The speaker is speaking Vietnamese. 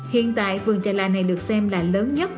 hiện tại vườn trà là này được xem là lớn nhất